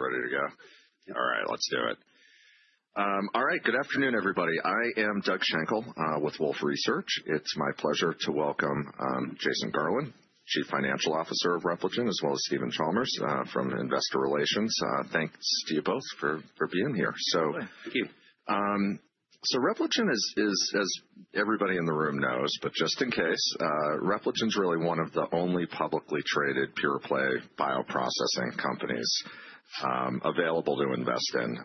We're good. All right. You guys ready to go? Yep. All right. Let's do it. All right. Good afternoon, everybody. I am Doug Shankle with Wolfe Research. It's my pleasure to welcome Jason Garland, Chief Financial Officer of Repligen, as well as Steven Chalmers from Investor Relations. Thanks to you both for being here. So. Thank you. Repligen is, as everybody in the room knows, but just in case, Repligen's really one of the only publicly traded pure-play bioprocessing companies available to invest in.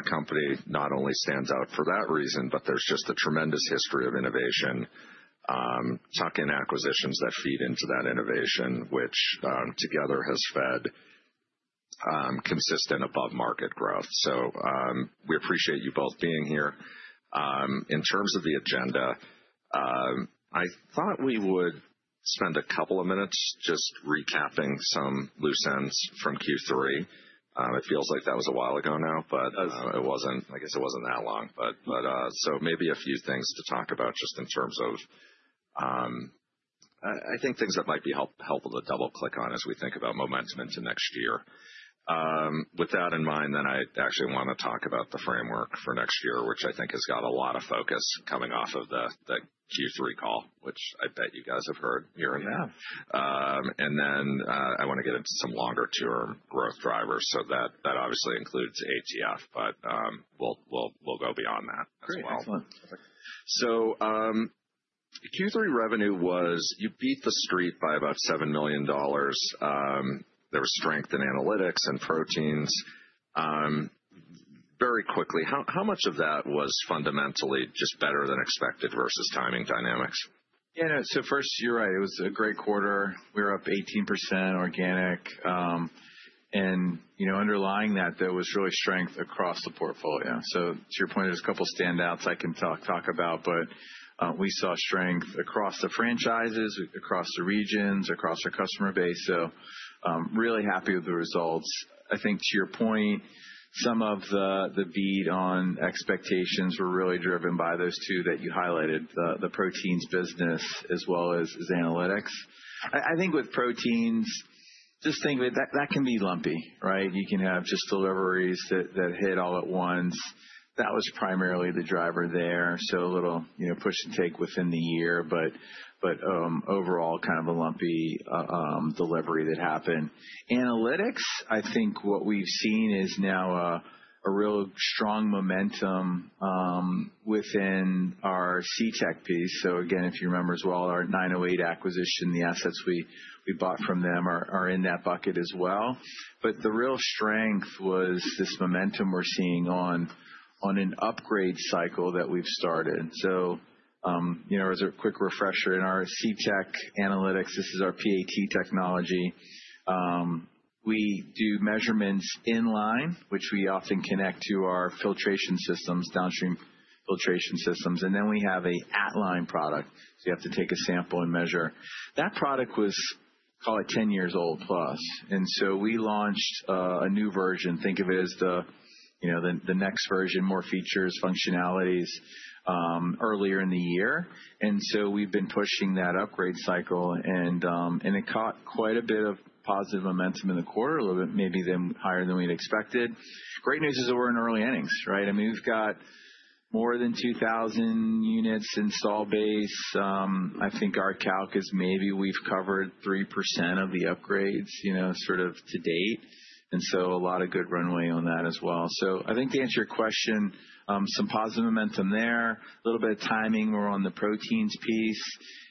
The company not only stands out for that reason, but there's just a tremendous history of innovation, tuck-in acquisitions that feed into that innovation, which together has fed consistent above-market growth. We appreciate you both being here. In terms of the agenda, I thought we would spend a couple of minutes just recapping some loose ends from Q3. It feels like that was a while ago now, but it wasn't—I guess it wasn't that long. Maybe a few things to talk about just in terms of, I think, things that might be helpful to double-click on as we think about momentum into next year. With that in mind, then I actually wanna talk about the framework for next year, which I think has got a lot of focus coming off of the Q3 call, which I bet you guys have heard here and there. Yeah. And then, I wanna get into some longer-term growth drivers. That obviously includes ATF, but we'll go beyond that as well. Okay. That's fine. Q3 revenue was you beat the street by about $7 million. There was strength in analytics and proteins. Very quickly, how much of that was fundamentally just better than expected versus timing dynamics? Yeah. No. First, you're right. It was a great quarter. We were up 18% organic, and, you know, underlying that, there was really strength across the portfolio. To your point, there's a couple of standouts I can talk about, but we saw strength across the franchises, across the regions, across our customer base. Really happy with the results. I think to your point, some of the beat on expectations were really driven by those two that you highlighted, the proteins business as well as analytics. I think with proteins, just think that can be lumpy, right? You can have just deliveries that hit all at once. That was primarily the driver there. A little, you know, push and take within the year, but overall kind of a lumpy delivery that happened. Analytics, I think what we've seen is now a real strong momentum within our CTech piece. If you remember as well, our 908 acquisition, the assets we bought from them are in that bucket as well. The real strength was this momentum we're seeing on an upgrade cycle that we've started. You know, as a quick refresher, in our CTech Analytics, this is our PAT technology. We do measurements inline, which we often connect to our filtration systems, downstream filtration systems. Then we have an at-line product, so you have to take a sample and measure. That product was, call it 10 years old plus. We launched a new version. Think of it as the next version, more features, functionalities, earlier in the year. We've been pushing that upgrade cycle. It caught quite a bit of positive momentum in the quarter, a little bit maybe higher than we'd expected. Great news is that we're in early innings, right? I mean, we've got more than 2,000 units install base. I think our calc is maybe we've covered 3% of the upgrades, you know, sort of to date. A lot of good runway on that as well. I think to answer your question, some positive momentum there, a little bit of timing we're on the proteins piece,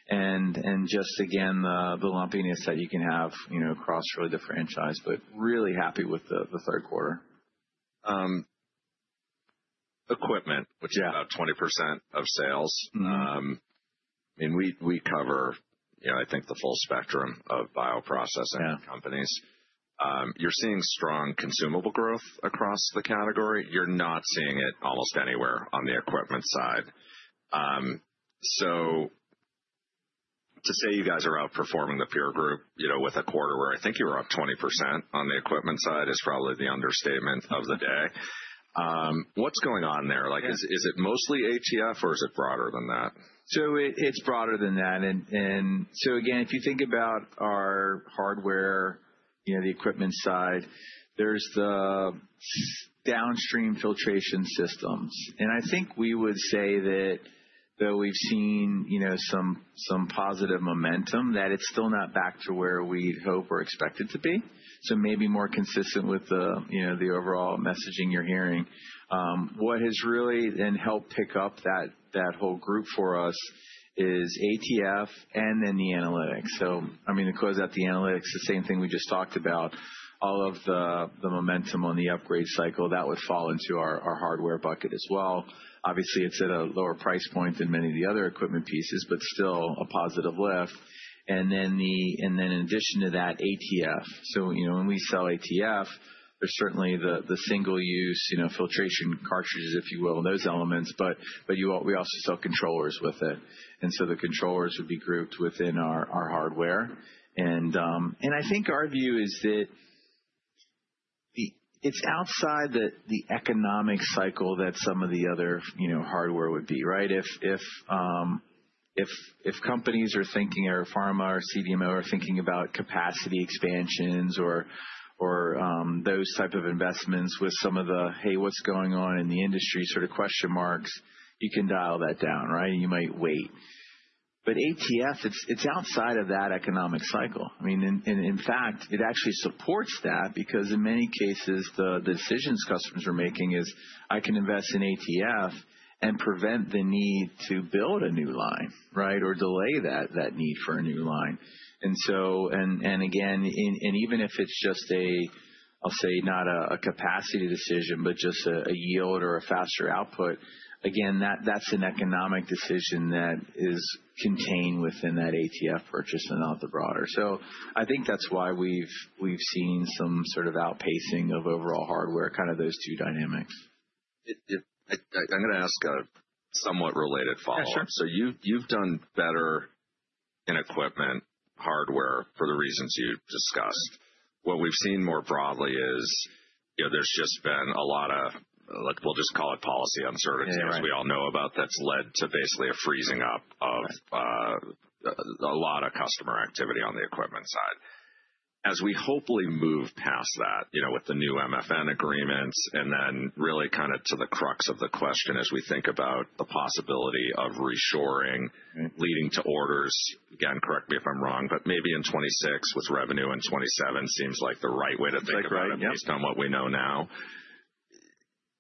and just again, the lumpiness that you can have, you know, across really the franchise. Really happy with the third quarter. equipment, which is about 20% of sales. Mm-hmm. I mean, we cover, you know, I think the full spectrum of bioprocessing companies. Yeah. You're seeing strong consumable growth across the category. You're not seeing it almost anywhere on the equipment side. To say you guys are outperforming the peer group, you know, with a quarter where I think you were up 20% on the equipment side is probably the understatement of the day. What's going on there? Like, is it mostly ATF or is it broader than that? It is broader than that. And, and so again, if you think about our hardware, you know, the equipment side, there is the downstream filtration systems. I think we would say that though we have seen, you know, some, some positive momentum, it is still not back to where we would hope or expect it to be. Maybe more consistent with the, you know, the overall messaging you are hearing. What has really then helped pick up that whole group for us is ATF and then the analytics. I mean, to close out the analytics, the same thing we just talked about, all of the momentum on the upgrade cycle, that would fall into our hardware bucket as well. Obviously, it is at a lower price point than many of the other equipment pieces, but still a positive lift. And then, in addition to that, ATF. You know, when we sell ATF, there's certainly the single-use, you know, filtration cartridges, if you will, and those elements. But we also sell controllers with it. The controllers would be grouped within our hardware. I think our view is that it's outside the economic cycle that some of the other, you know, hardware would be, right? If companies are thinking, or pharma or CDMO are thinking about capacity expansions or those type of investments with some of the, "Hey, what's going on in the industry?" sort of question marks, you can dial that down, right? You might wait. But ATF, it's outside of that economic cycle. I mean, and in fact, it actually supports that because in many cases, the decisions customers are making is, "I can invest in ATF and prevent the need to build a new line," right? Or delay that need for a new line. And again, even if it's just a, I'll say not a capacity decision, but just a yield or a faster output, again, that's an economic decision that is contained within that ATF purchase and not the broader. I think that's why we've seen some sort of outpacing of overall hardware, kind of those two dynamics. It, I, I'm gonna ask a somewhat related follow-up. Yeah. Sure. You've done better in equipment hardware for the reasons you discussed. What we've seen more broadly is, you know, there's just been a lot of, like, we'll just call it policy uncertainty. Yeah. As we all know about, that's led to basically a freezing up of a lot of customer activity on the equipment side. As we hopefully move past that, you know, with the new MFN agreements and then really kind of to the crux of the question as we think about the possibility of reshoring. Mm-hmm. Leading to orders, again, correct me if I'm wrong, but maybe in 2026 with revenue in 2027 seems like the right way to think about it. That's right. Yeah. Based on what we know now,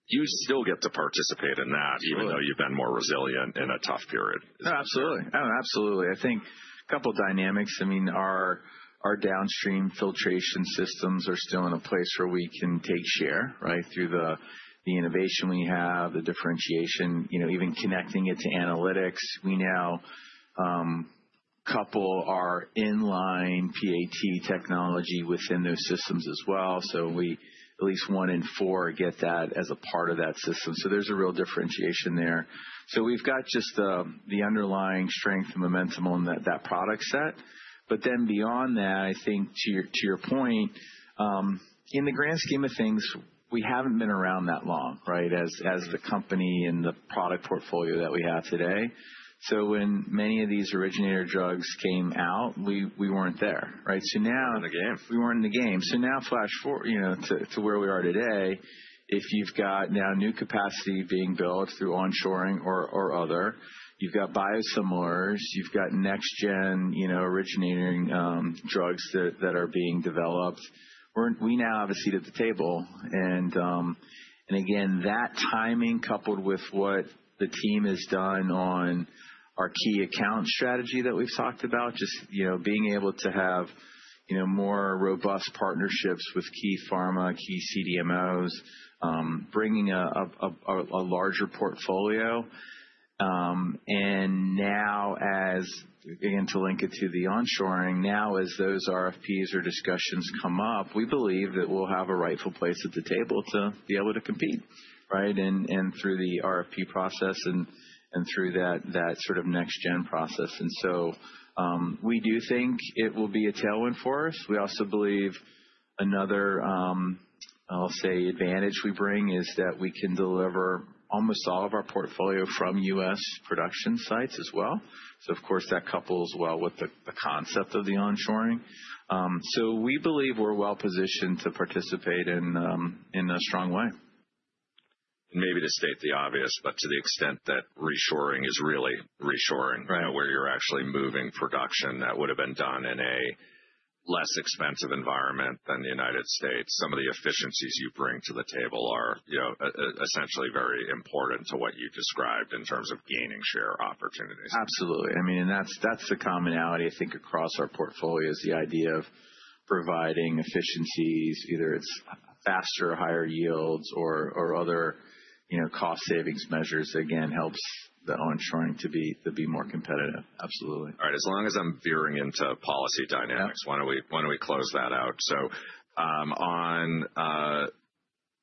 you still get to participate in that. Absolutely. Even though you've been more resilient in a tough period. Oh, absolutely. I think a couple of dynamics. I mean, our downstream filtration systems are still in a place where we can take share, right? Through the innovation we have, the differentiation, you know, even connecting it to analytics. We now couple our inline PAT technology within those systems as well. We at least one in four get that as a part of that system. There is a real differentiation there. We have just the underlying strength and momentum on that product set. Beyond that, I think to your point, in the grand scheme of things, we have not been around that long, right? As the company and the product portfolio that we have today. When many of these originator drugs came out, we were not there, right? Now. You're in the game. We were not in the game. Now flash forward to where we are today, if you have new capacity being built through onshoring or other, you have biosimilars, you have next-gen originating drugs that are being developed. We now have a seat at the table. That timing, coupled with what the team has done on our key account strategy that we have talked about, just being able to have more robust partnerships with key pharma, key CDMOs, bringing a larger portfolio. Now, to link it to the onshoring, as those RFPs or discussions come up, we believe that we will have a rightful place at the table to be able to compete, right? Through the RFP process and through that next-gen process. We do think it will be a tailwind for us. We also believe another, I'll say advantage we bring is that we can deliver almost all of our portfolio from U.S. production sites as well. Of course, that couples well with the concept of the onshoring. We believe we're well-positioned to participate in a strong way. Maybe to state the obvious, but to the extent that reshoring is really reshoring. Right. You know, where you're actually moving production that would've been done in a less expensive environment than the United States, some of the efficiencies you bring to the table are, you know, essentially very important to what you described in terms of gaining share opportunities. Absolutely. I mean, that's the commonality, I think, across our portfolio is the idea of providing efficiencies, either it's faster or higher yields or, or other, you know, cost savings measures that again helps the onshoring to be, to be more competitive. Absolutely. All right. As long as I'm veering into policy dynamics, why don't we, why don't we close that out? On,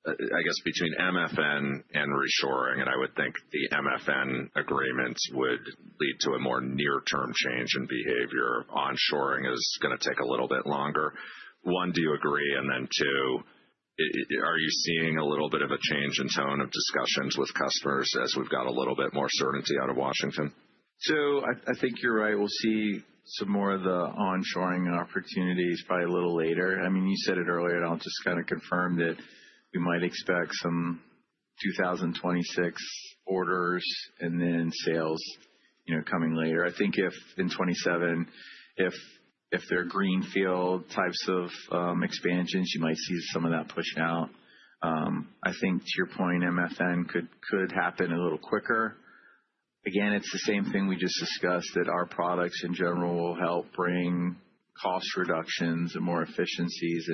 I guess between MFN and reshoring, and I would think the MFN agreements would lead to a more near-term change in behavior. Onshoring is gonna take a little bit longer. One, do you agree? And then two, are you seeing a little bit of a change in tone of discussions with customers as we've got a little bit more certainty out of Washington? I think you're right. We'll see some more of the onshoring opportunities probably a little later. I mean, you said it earlier, and I'll just kind of confirm that we might expect some 2026 orders and then sales, you know, coming later. I think if in 2027, if there are greenfield types of expansions, you might see some of that pushed out. I think to your point, MFN could happen a little quicker. Again, it's the same thing we just discussed that our products in general will help bring cost reductions and more efficiencies.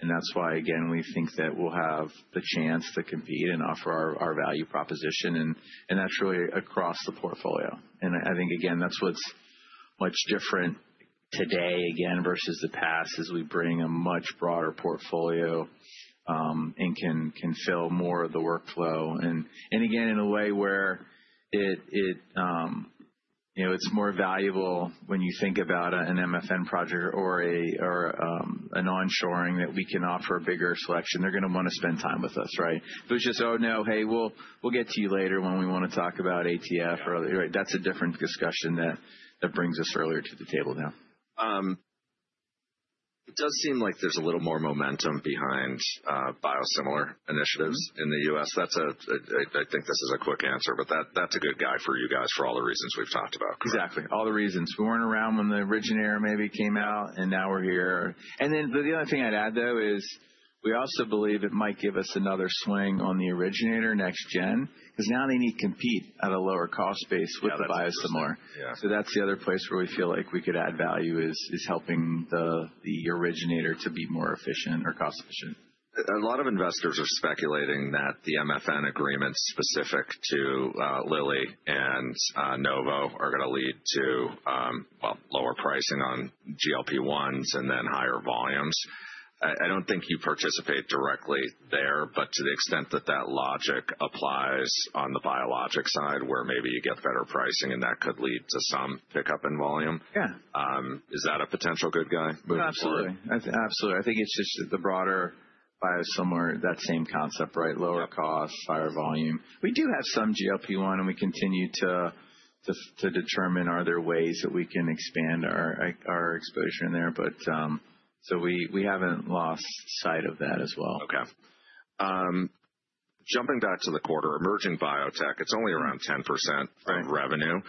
That's why, again, we think that we'll have the chance to compete and offer our value proposition. That's really across the portfolio. I think again, that's what's much different today versus the past is we bring a much broader portfolio, and can fill more of the workflow. And again, in a way where it, you know, it's more valuable when you think about a, an MFN project or an onshoring that we can offer a bigger selection, they're gonna wanna spend time with us, right? If it was just, "Oh, no, hey, we'll get to you later when we wanna talk about ATF or other," right? That's a different discussion that brings us earlier to the table now. It does seem like there's a little more momentum behind biosimilar initiatives in the U.S. That's a, I think this is a quick answer, but that's a good guy for you guys for all the reasons we've talked about. Exactly. All the reasons. We were not around when the originator maybe came out, and now we are here. The other thing I would add though is we also believe it might give us another swing on the originator next-gen because now they need to compete at a lower cost base with the biosimilar. Yeah. That's the other place where we feel like we could add value, is helping the originator to be more efficient or cost-efficient. A lot of investors are speculating that the MFN agreements specific to Lilly and Novo are gonna lead to, well, lower pricing on GLP-1s and then higher volumes. I don't think you participate directly there, but to the extent that that logic applies on the biologic side where maybe you get better pricing and that could lead to some pickup in volume. Yeah. Is that a potential good guy moving forward? Absolutely. Absolutely. I think it's just the broader biosimilar, that same concept, right? Lower cost, higher volume. We do have some GLP-1 and we continue to determine are there ways that we can expand our exposure in there. We haven't lost sight of that as well. Okay. Jumping back to the quarter, emerging biotech, it's only around 10% of revenue.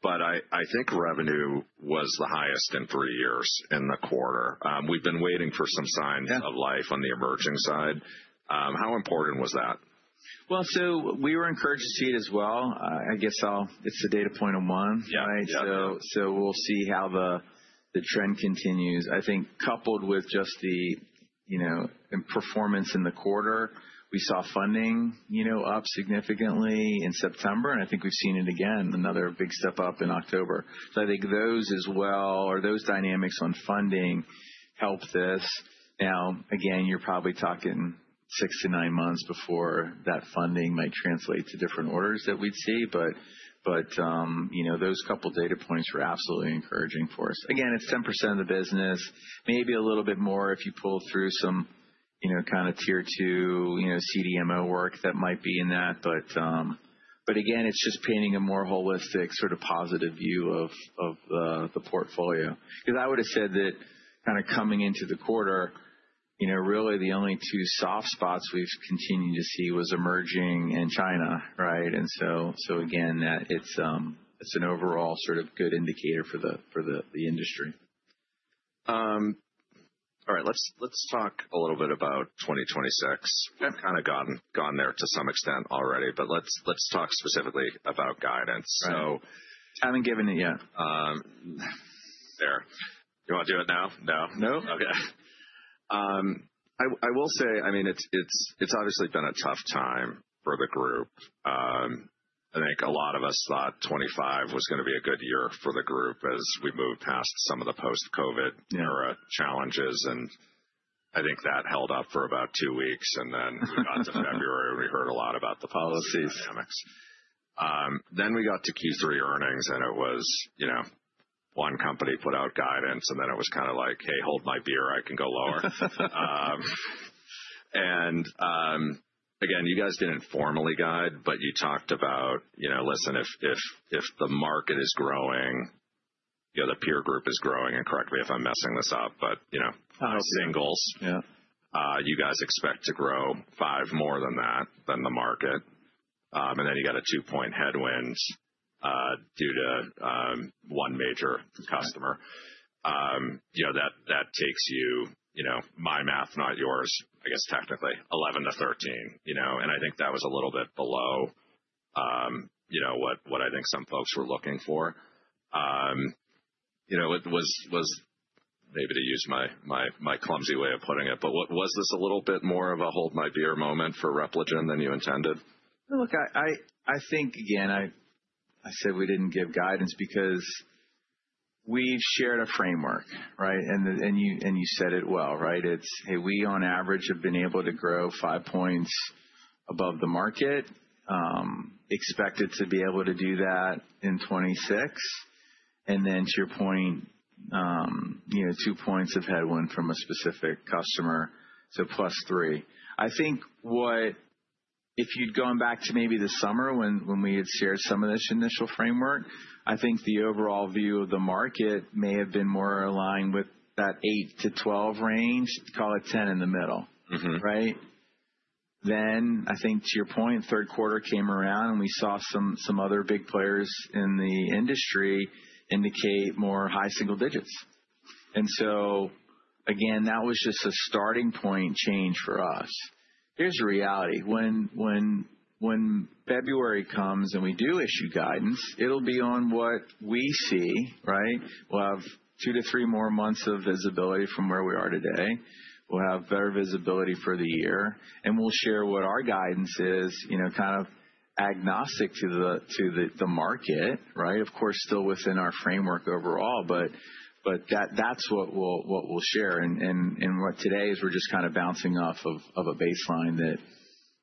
Right. I think revenue was the highest in three years in the quarter. We've been waiting for some signs. Yeah. Of life on the emerging side. How important was that? We were encouraged to see it as well. I guess I'll, it's the data point on one, right? Yeah. Yeah. We'll see how the trend continues. I think coupled with just the, you know, performance in the quarter, we saw funding up significantly in September, and I think we've seen it again, another big step up in October. I think those as well or those dynamics on funding helped this. Now, again, you're probably talking six to nine months before that funding might translate to different orders that we'd see. Those couple of data points were absolutely encouraging for us. Again, it's 10% of the business, maybe a little bit more if you pull through some, you know, kind of tier two, you know, CDMO work that might be in that. Again, it's just painting a more holistic sort of positive view of the portfolio. 'Cause I would've said that kind of coming into the quarter, you know, really the only two soft spots we've continued to see was emerging and China, right? It's an overall sort of good indicator for the, for the, the industry. All right. Let's, let's talk a little bit about 2026. Okay. We've kind of gotten, gone there to some extent already, but let's, let's talk specifically about guidance. Right. So. Haven't given it yet. There. You wanna do it now? No? No. Okay. I will say, I mean, it's obviously been a tough time for the group. I think a lot of us thought 2025 was gonna be a good year for the group as we moved past some of the post-COVID. Yeah. Era challenges. I think that held up for about two weeks. Then we got to February, we heard a lot about the policy dynamics. Oh, geez. Then we got to Q3 earnings and it was, you know, one company put out guidance and then it was kind of like, "Hey, hold my beer, I can go lower." and, again, you guys did not formally guide, but you talked about, you know, listen, if, if, if the market is growing, you know, the peer group is growing, and correct me if I am messing this up, but, you know. Oh, okay. Single's. Yeah. You guys expect to grow five more than that than the market. And then you got a two-point headwind, due to one major customer. Yeah. You know, that takes you, you know, my math, not yours, I guess technically, 11-13, you know? And I think that was a little bit below, you know, what I think some folks were looking for. You know, it was maybe to use my clumsy way of putting it, but was this a little bit more of a hold my beer moment for Repligen than you intended? Look, I think, again, I said we did not give guidance because we shared a framework, right? You said it well, right? It is, "Hey, we on average have been able to grow five points above the market, expected to be able to do that in 2026." To your point, you know, two points of headwind from a specific customer, so plus three. I think if you had gone back to maybe the summer when we had shared some of this initial framework, I think the overall view of the market may have been more aligned with that 8-12 range. Call it 10 in the middle. Mm-hmm. Right? I think to your point, third quarter came around and we saw some other big players in the industry indicate more high single digits. That was just a starting point change for us. Here's the reality. When February comes and we do issue guidance, it'll be on what we see, right? We'll have two to three more months of visibility from where we are today. We'll have better visibility for the year. We'll share what our guidance is, you know, kind of agnostic to the market, right? Of course, still within our framework overall, but that's what we'll share. What today is we're just kind of bouncing off of a baseline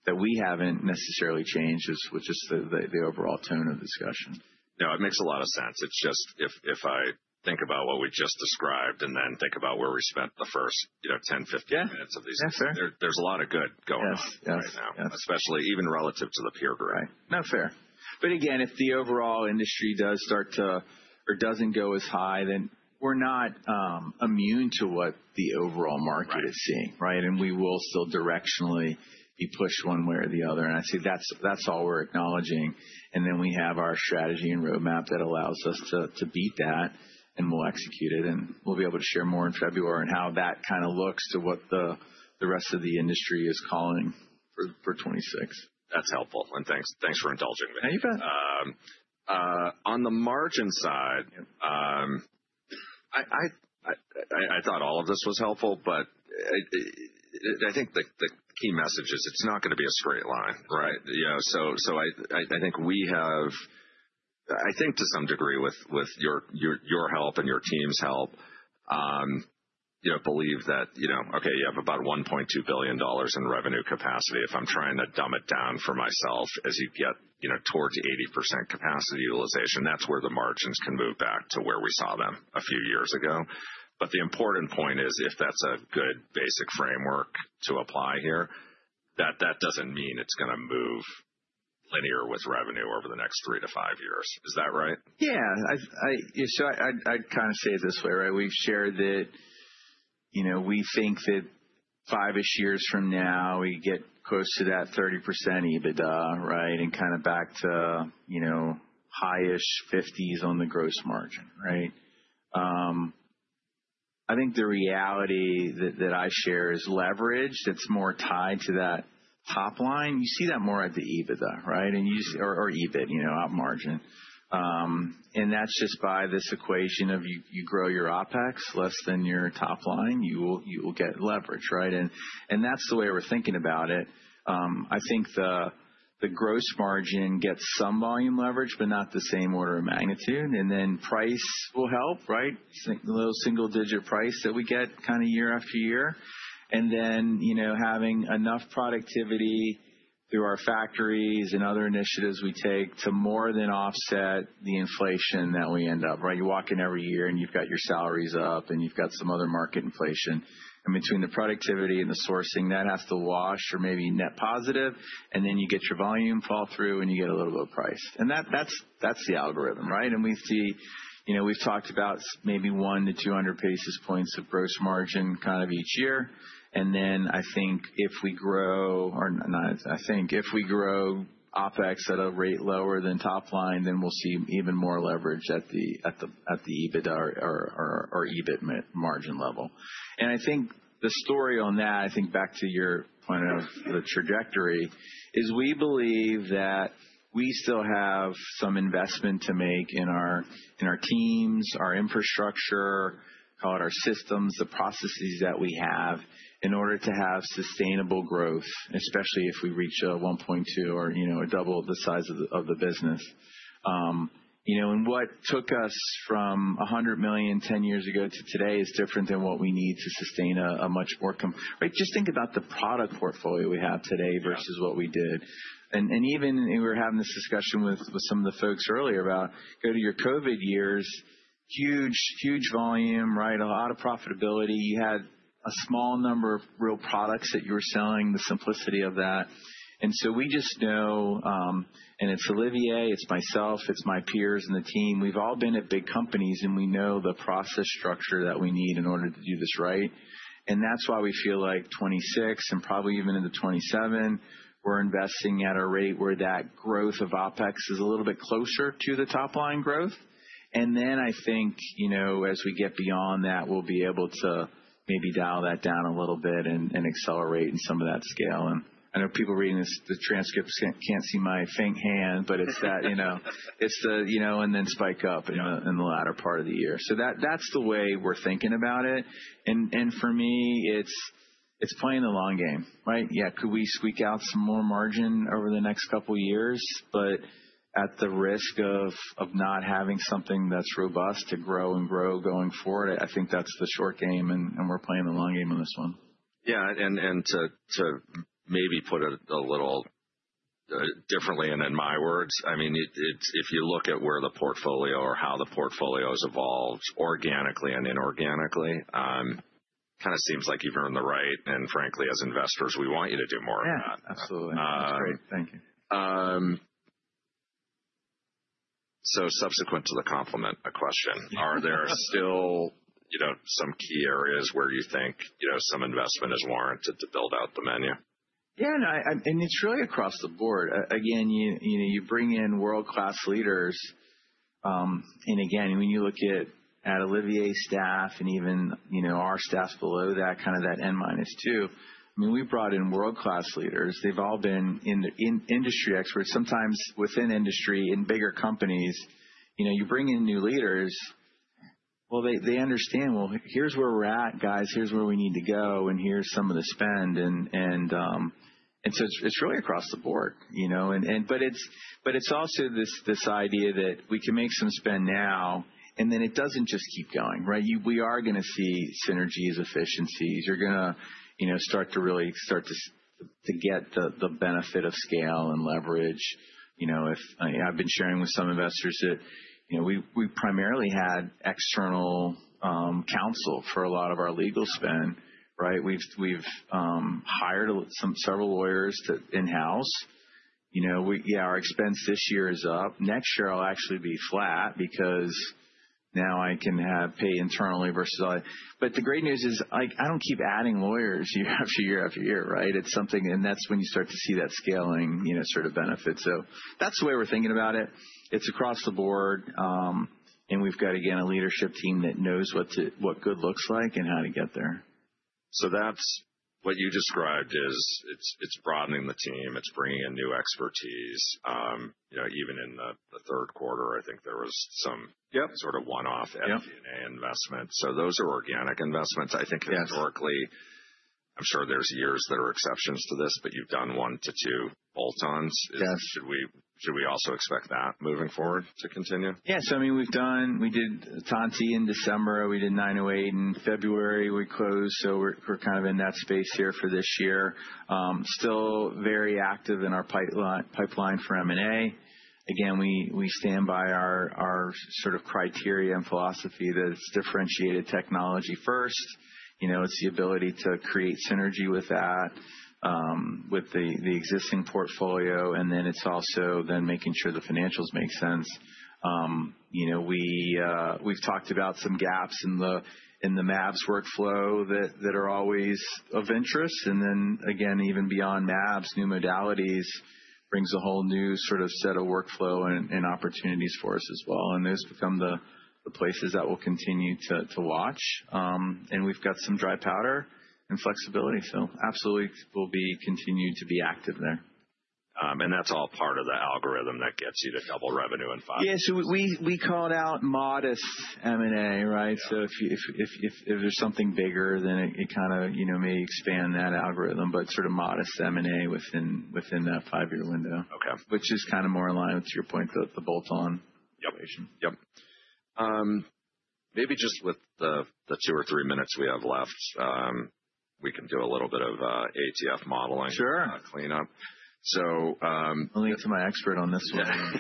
that we haven't necessarily changed with just the overall tone of discussion. No, it makes a lot of sense. It's just if I think about what we just described and then think about where we spent the first, you know, 10, 15 minutes of these. Yeah. That's fair. There, there's a lot of good going on. Yes. Yes. Right now, especially even relative to the peer group. Right. Not fair. If the overall industry does start to or does not go as high, then we are not immune to what the overall market is seeing, right? We will still directionally be pushed one way or the other. I say that is all we are acknowledging. We have our strategy and roadmap that allows us to beat that, and we will execute it and be able to share more in February and how that kind of looks to what the rest of the industry is calling for for 2026. That's helpful. Thanks, thanks for indulging me. Yeah. You bet. on the margin side. Yeah. I thought all of this was helpful, but I think the key message is it's not gonna be a straight line, right? You know, I think we have, I think to some degree with your help and your team's help, you know, believe that, you know, okay, you have about $1.2 billion in revenue capacity. If I'm trying to dumb it down for myself as you get toward to 80% capacity utilization, that's where the margins can move back to where we saw them a few years ago. The important point is if that's a good basic framework to apply here, that doesn't mean it's gonna move linear with revenue over the next three to five years. Is that right? Yeah. I, I, I'd kind of say it this way, right? We've shared that, you know, we think that five-ish years from now we get close to that 30% EBITDA, right? And kind of back to, you know, high-ish 50s on the gross margin, right? I think the reality that I share is leveraged. It's more tied to that top line. You see that more at the EBITDA, right? You see, or EBIT, you know, out margin. That's just by this equation of you grow your OPEX less than your top line, you will get leverage, right? That's the way we're thinking about it. I think the gross margin gets some volume leverage, but not the same order of magnitude. Then price will help, right? The little single digit price that we get kind of year after year. You know, having enough productivity through our factories and other initiatives we take to more than offset the inflation that we end up, right? You walk in every year and you've got your salaries up and you've got some other market inflation. Between the productivity and the sourcing, that has to wash or maybe net positive. You get your volume fall through and you get a little bit of price. That, that's, that's the algorithm, right? We see, you know, we've talked about maybe one to 200 basis points of gross margin kind of each year. I think if we grow OPEX at a rate lower than top line, then we'll see even more leverage at the EBITDA or EBIT margin level. I think the story on that, back to your point of the trajectory, is we believe that we still have some investment to make in our teams, our infrastructure, call it our systems, the processes that we have in order to have sustainable growth, especially if we reach $1.2 billion or, you know, double the size of the business. You know, and what took us from $100 million ten years ago to today is different than what we need to sustain a much more comp, right? Just think about the product portfolio we have today versus what we did. Even, we were having this discussion with some of the folks earlier about go to your COVID years, huge, huge volume, right? A lot of profitability. You had a small number of real products that you were selling, the simplicity of that. We just know, and it's Olivier, it's myself, it's my peers and the team. We've all been at big companies and we know the process structure that we need in order to do this right. That's why we feel like 2026 and probably even into 2027, we're investing at a rate where that growth of OPEX is a little bit closer to the top line growth. I think, you know, as we get beyond that, we'll be able to maybe dial that down a little bit and accelerate in some of that scale. I know people reading this, the transcripts can't see my faint hand, but it's that, you know, it's the, you know, and then spike up in the latter part of the year. That's the way we're thinking about it. For me, it's playing the long game, right? Yeah. Could we squeak out some more margin over the next couple of years, but at the risk of not having something that's robust to grow and grow going forward? I think that's the short game, and we're playing the long game on this one. Yeah. And to, to maybe put it a little differently and in my words, I mean, it's, if you look at where the portfolio or how the portfolio has evolved organically and inorganically, kind of seems like you've earned the right. And frankly, as investors, we want you to do more of that. Yeah. Absolutely. That's great. Thank you. Subsequent to the compliment, a question. Are there still, you know, some key areas where you think, you know, some investment is warranted to build out the menu? Yeah. And I, and it's really across the board. Again, you know, you bring in world-class leaders. And again, when you look at Olivier's staff and even, you know, our staff below that, kind of that N minus two, I mean, we brought in world-class leaders. They've all been industry experts, sometimes within industry in bigger companies. You know, you bring in new leaders, well, they understand, well, here's where we're at, guys. Here's where we need to go. And here's some of the spend. And so it's really across the board, you know? And, but it's also this idea that we can make some spend now and then it doesn't just keep going, right? You, we are gonna see synergies, efficiencies. You're gonna, you know, start to really start to get the benefit of scale and leverage. You know, I've been sharing with some investors that, you know, we primarily had external counsel for a lot of our legal spend, right? We've hired several lawyers to in-house. You know, yeah, our expense this year is up. Next year it'll actually be flat because now I can have pay internally versus all. The great news is, like, I don't keep adding lawyers year after year after year, right? It's something, and that's when you start to see that scaling, you know, sort of benefit. That's the way we're thinking about it. It's across the board. We've got, again, a leadership team that knows what good looks like and how to get there. That's what you described is, it's broadening the team. It's bringing in new expertise. You know, even in the third quarter, I think there was some. Yep. Sort of one-off FD&A investment. Those are organic investments. I think historically. Yes. I'm sure there's years that are exceptions to this, but you've done one to two bolt-ons. Yes. Should we also expect that moving forward to continue? Yeah. I mean, we've done, we did Tontti in December. We did 908 in February. We closed. We're kind of in that space here for this year. Still very active in our pipeline, pipeline for M&A. Again, we stand by our sort of criteria and philosophy that it's differentiated technology first. You know, it's the ability to create synergy with that, with the existing portfolio. Then it's also then making sure the financials make sense. You know, we've talked about some gaps in the MABS workflow that are always of interest. Even beyond MABS, new modalities brings a whole new sort of set of workflow and opportunities for us as well. Those become the places that we'll continue to watch. We've got some dry powder and flexibility. Absolutely we'll be continued to be active there. and that's all part of the algorithm that gets you to double revenue in five. Yeah. We called out modest M&A, right? If there's something bigger, then it kind of, you know, may expand that algorithm, but sort of modest M&A within that five-year window. Okay. Which is kind of more in line with your point, the bolt-on information. Yep. Yep. Maybe just with the two or three minutes we have left, we can do a little bit of ATF modeling. Sure. cleanup. So, I'll leave it to my expert on this one.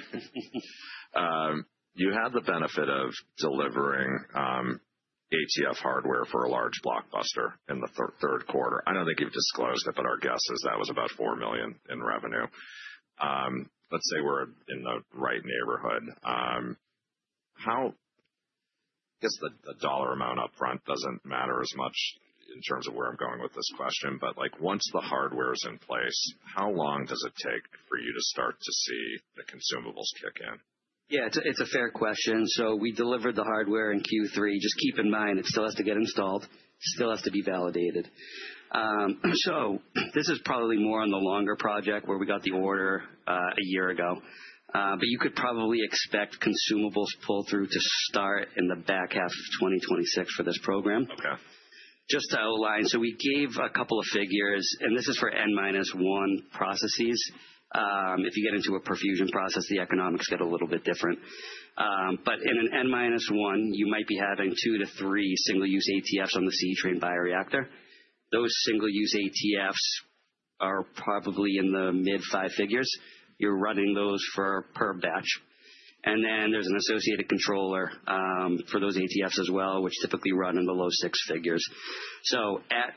You had the benefit of delivering ATF hardware for a large blockbuster in the third quarter. I don't think you've disclosed it, but our guess is that was about $4 million in revenue. Let's say we're in the right neighborhood. How, I guess the dollar amount upfront doesn't matter as much in terms of where I'm going with this question, but like once the hardware's in place, how long does it take for you to start to see the consumables kick in? Yeah. It's a, it's a fair question. We delivered the hardware in Q3. Just keep in mind it still has to get installed, still has to be validated. This is probably more on the longer project where we got the order a year ago. You could probably expect consumables pull through to start in the back half of 2026 for this program. Okay. Just to outline. We gave a couple of figures, and this is for N-1 processes. If you get into a perfusion process, the economics get a little bit different. In an N-1, you might be having two to three single-use ATFs on the CE Train Bioreactor. Those single-use ATFs are probably in the mid five figures. You're running those per batch. There is an associated controller for those ATFs as well, which typically run in the low six figures. At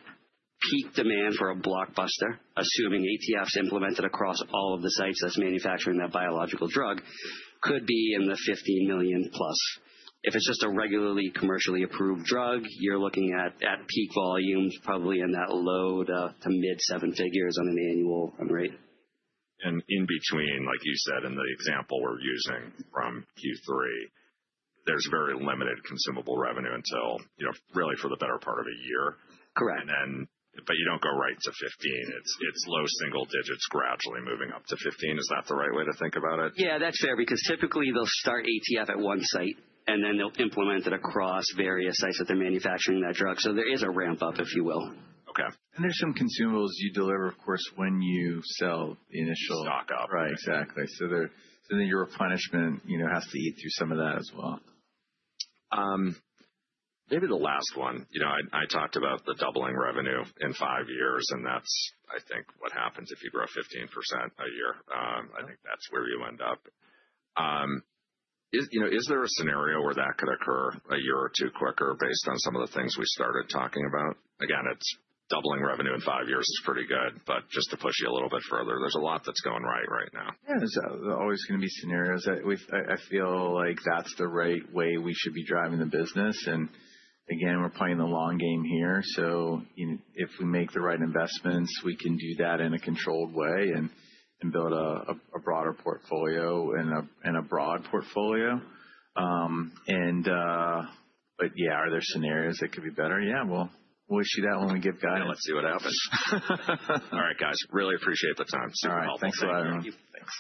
peak demand for a blockbuster, assuming ATFs implemented across all of the sites that's manufacturing that biological drug, it could be in the $15 million plus. If it's just a regularly commercially approved drug, you're looking at, at peak volumes, probably in that low to mid seven figures on an annual run rate. In between, like you said in the example we're using from Q3, there's very limited consumable revenue until, you know, really for the better part of a year. Correct. You do not go right to 15. It is low single digits gradually moving up to 15. Is that the right way to think about it? Yeah. That's fair because typically they'll start ATF at one site and then they'll implement it across various sites that they're manufacturing that drug. There is a ramp up, if you will. Okay. There are some consumables you deliver, of course, when you sell the initial. Stock up. Right. Exactly. So there, so then your replenishment, you know, has to eat through some of that as well. Maybe the last one, you know, I talked about the doubling revenue in five years, and that's, I think, what happens if you grow 15% a year. I think that's where you end up. Is, you know, is there a scenario where that could occur a year or two quicker based on some of the things we started talking about? Again, it's doubling revenue in five years is pretty good, but just to push you a little bit further, there's a lot that's going right, right now. Yeah. There's always gonna be scenarios that we, I feel like that's the right way we should be driving the business. Again, we're playing the long game here. You know, if we make the right investments, we can do that in a controlled way and build a broader portfolio and a broad portfolio. But yeah, are there scenarios that could be better? Yeah. We'll issue that when we give guidance. Let's see what happens. All right, guys. Really appreciate the time. Super helpful. All right. Thanks a lot.